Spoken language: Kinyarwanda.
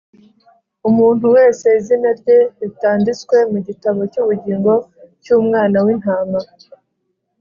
umuntu wese izina rye ritanditswe mu gitabo cy’ubugingo cy’Umwana w’Intama,